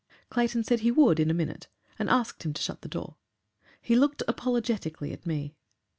Clayton said he would in a minute, and asked him to shut the door. He looked apologetically at me.